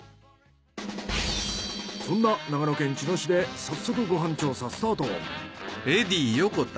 そんな長野県茅野市で早速ご飯調査スタート。